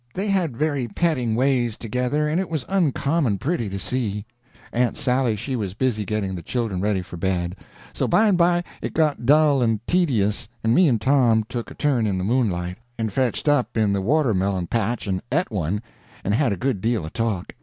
They had very petting ways together, and it was uncommon pretty to see. Aunt Sally she was busy getting the children ready for bed; so by and by it got dull and tedious, and me and Tom took a turn in the moonlight, and fetched up in the watermelon patch and et one, and had a good deal of talk.